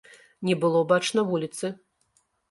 Не было бачна вуліцы.